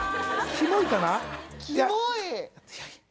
キモいかな？